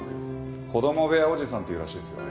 子供部屋おじさんって言うらしいですよ